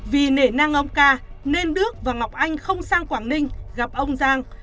vì nể nang ông ca nên đức và ngọc anh không sang quảng ninh gặp ông giang